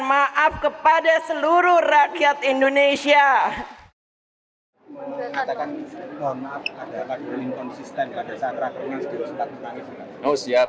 maaf kepada seluruh rakyat indonesia